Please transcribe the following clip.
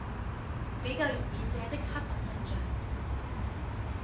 比較容易借的刻板印象